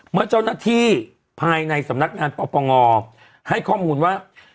เมื่อเจ้าหน้าที่ภายในสำนักงานปปงให้ข้อมูลว่า